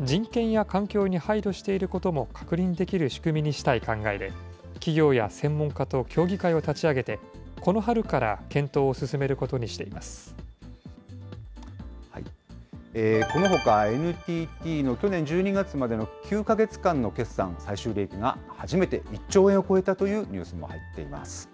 人権や環境に配慮していることも確認できる仕組みにしたい考えで、企業や専門家と協議会を立ち上げて、この春から検討を進めることこのほか、ＮＴＴの去年１２月までの９か月間の決算、最終利益が初めて１兆円を超えたというニュースも入っています。